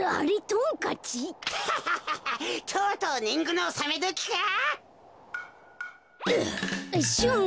とうとうねんぐのおさめどきか。